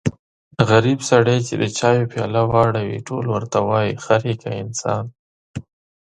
غریب سړی چې د چایو پیاله واړوي ټول ورته وایي خر يې که انسان.